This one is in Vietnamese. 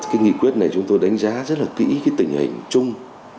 cái nghị quyết này chúng tôi đánh giá rất là kỹ cái tình hình chung